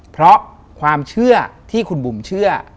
เพราะความเชื่อที่คุณบุ๋มเชื่อ